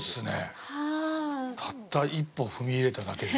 たった一歩踏み入れただけで。